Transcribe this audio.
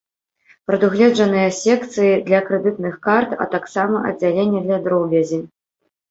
Прадугледжаныя секцыі для крэдытных карт, а таксама аддзяленне для дробязі.